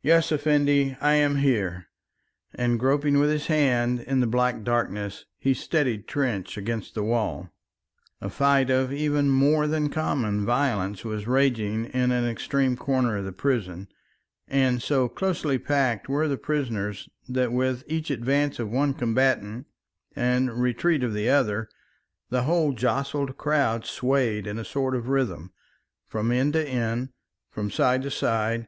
"Yes, Effendi, I am here," and groping with his hand in the black darkness, he steadied Trench against the wall. A fight of even more than common violence was raging in an extreme corner of the prison, and so closely packed were the prisoners that with each advance of one combatant and retreat of the other, the whole jostled crowd swayed in a sort of rhythm, from end to end, from side to side.